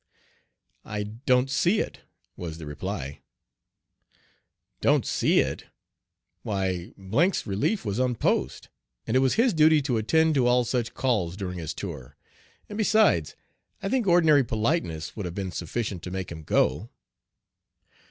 "I don't see it," was the reply. "Don' t see it? Why 's relief was on post, and it was his duty to attend to all such calls during his tour; and besides, I think ordinary politeness would have been sufficient to make him go."